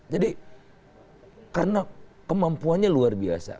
jadi karena kemampuannya luar biasa